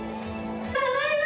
ただいま。